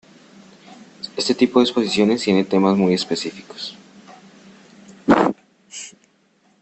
Este tipo de exposiciones tiene temas muy específicos.